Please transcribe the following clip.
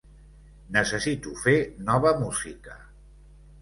Necessito fer nova música!